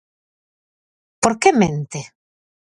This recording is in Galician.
¿Por que mente?